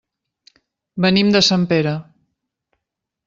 Venim de Sempere.